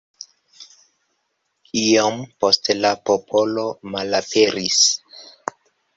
Iom poste la popolo malaperis.